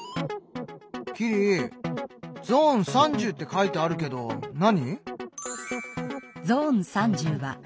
キリ「ゾーン３０」って書いてあるけど何？